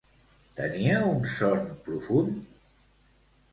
Tenia un son profund?